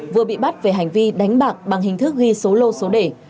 vừa bị bắt về hành vi đánh bạc bằng hình thức ghi số lô số đề